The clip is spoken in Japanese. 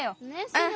うん。